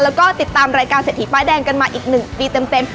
แล้วก็ติดตามรายการเศรษฐีป้ายแดงกันมาอีก๑ปีเต็ม